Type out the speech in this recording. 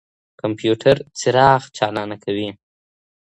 کمپيوټر څراغ چالانه کوي.